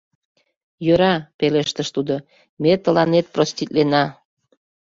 — Йӧра, — пелештыш тудо, — ме тыланет проститлена.